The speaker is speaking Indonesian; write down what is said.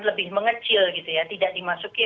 lebih mengecil tidak dimasuki